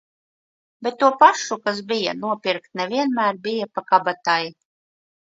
Bet to pašu, kas bija, nopirkt ne vienmēr bija pa kabatai.